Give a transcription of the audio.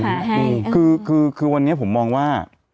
คือคือคือคือวันนี้ผมมองว่า